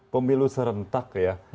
pemilu serentak ya